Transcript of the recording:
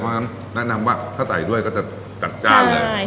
เพราะฉะนั้นแนะนำว่าถ้าใส่ด้วยก็จะจัดจ้านเลย